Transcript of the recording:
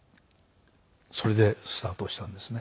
それでスタートしたんですね。